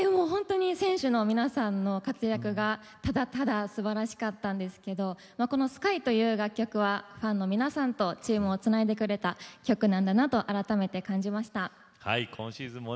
本当に選手の皆さんの活躍がただただすばらしかったんですけど「ＳＫＹ」という楽曲はファンの皆さんとチームをつないでくれた曲なんだなと改めて感じました。